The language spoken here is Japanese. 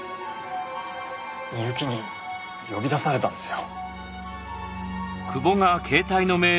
深雪に呼び出されたんですよ。